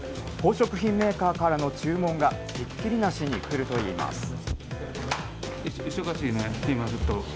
宝飾品メーカーからの注文がひっきりなしに来るといいます。